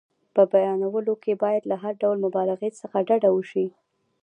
په بیانولو کې باید له هر ډول مبالغې څخه ډډه وشي.